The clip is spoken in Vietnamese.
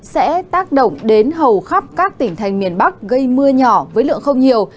sẽ tác động đến hầu khắp các tỉnh thành miền bắc gây mưa nhỏ với lượng không nhiều